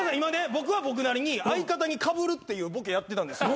僕は僕なりに相方にかぶるっていうボケやってたんです。